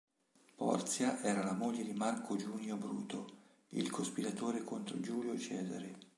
Porzia era la moglie di Marco Giunio Bruto, il cospiratore contro Giulio Cesare.